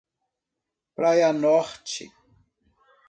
Praia Norte